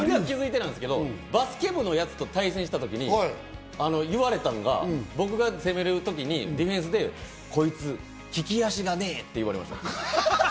バスケ部のやつと対戦した時に言われたんが、僕が攻めるときにディフェンスで、こいつ利き足がねえ！って言われました。